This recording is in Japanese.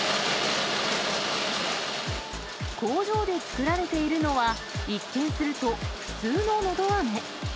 工場で作られているのは、一見すると普通ののどあめ。